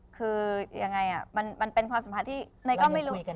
คือยังไงมันเป็นความสัมพันธ์ที่เนยก็ไม่รู้